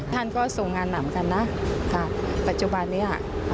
ท่านก็ทรงงานหนำกันนะค่ะปัจจุบันนี้